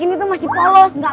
ong bona jadi kosong deh